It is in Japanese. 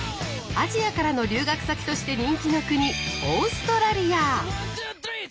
アジアからの留学先として人気の国オーストラリア。